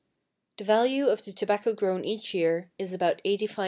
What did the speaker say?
The value of the tobacco grown each year is about $85,000,000.